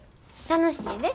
楽しいで。